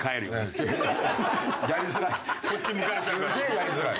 やりづらい。